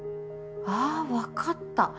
あ分かった。